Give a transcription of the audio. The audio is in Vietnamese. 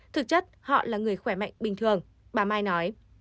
thực chất họ là người khỏe mạnh bình thường bà mai nói